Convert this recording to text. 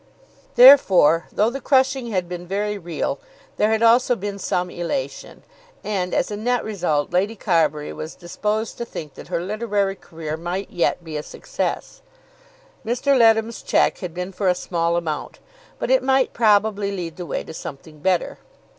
Therefore, though the crushing had been very real, there had also been some elation; and as a net result, Lady Carbury was disposed to think that her literary career might yet be a success. Mr. Leadham's cheque had been for a small amount, but it might probably lead the way to something better.